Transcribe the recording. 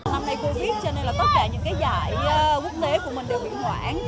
năm nay covid cho nên là tất cả những cái giải quốc tế của mình đều bị hoãn